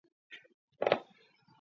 ალექსანდრე ჯეჯელავა დაიბადა თბილისში.